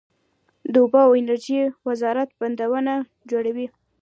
د اوبو او انرژۍ وزارت بندونه جوړوي